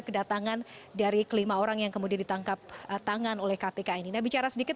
kedatangan dari kelima orang yang kemudian ditangkap tangan oleh kpk ini nah bicara sedikit